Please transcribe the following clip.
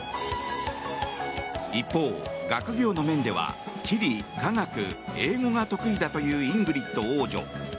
一方、学業の面では地理、化学、英語が得意だというイングリッド王女。